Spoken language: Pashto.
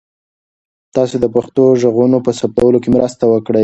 تاسو د پښتو ږغونو په ثبتولو کې مرسته وکړئ.